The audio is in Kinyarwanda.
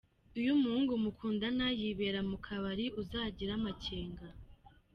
Iyo umuhungu mukundana yibera mu kabari uzagire amakenga.